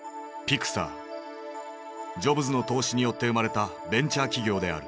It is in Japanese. ジョブズの投資によって生まれたベンチャー企業である。